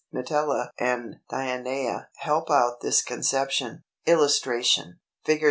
Mitella and Dionæa help out this conception. [Illustration: Fig.